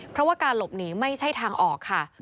เพราะว่าการหลบหนีไม่ใช่ทางออกค่ะ